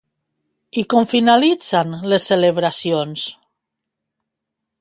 I com finalitzen les celebracions?